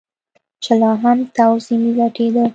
چې لا هم تاو ځنې لټېده.